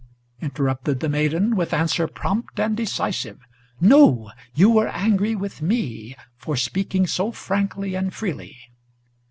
interrupted the maiden, with answer prompt and decisive; "No; you were angry with me, for speaking so frankly and freely.